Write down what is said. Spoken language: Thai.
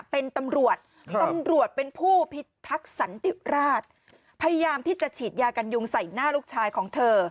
เป็นตำรวจตำรวจเป็นผู้พิทักษันติราชพยายามที่จะฉีดยากันยุงใส่หน้าลูกชายของเธอ